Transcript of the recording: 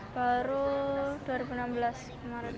baru dua ribu enam belas kemarin